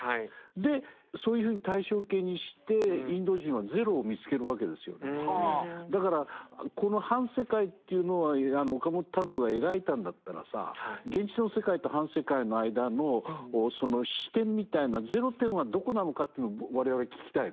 でそういうふうに対称形にしてインド人はだからこの「反世界」っていうのを岡本太郎が描いたんだったらさ現実の世界と「反世界」の間の始点みたいなゼロ点はどこなのかっていうのを我々は聞きたいですね。